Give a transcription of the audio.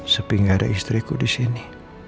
sepi nggak ada istriku disini